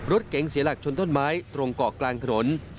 รถเก๋งเสียหลักชนต้นไม้ตรงเกาะกลางถนน